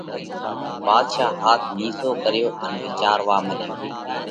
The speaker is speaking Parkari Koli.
ڀاڌشا هاٿ نِيسو ڪريو ان وِيچاروا مڏيو۔